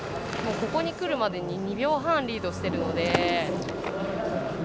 ここに来るまでに２秒半リードしてるので。